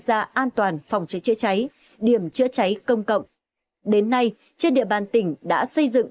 gia an toàn phòng cháy chữa cháy điểm chữa cháy công cộng đến nay trên địa bàn tỉnh đã xây dựng